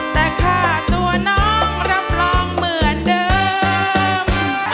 แต่ค่าตัวน้องรับรองเหมือนเดิม